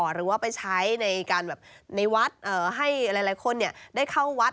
หรือว่าไปใช้ในการแบบในวัดให้หลายคนได้เข้าวัด